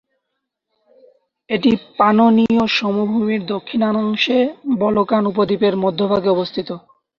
এটি পানোনীয় সমভূমির দক্ষিণাংশে, বলকান উপদ্বীপের মধ্যভাগে অবস্থিত।